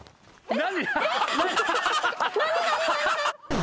何？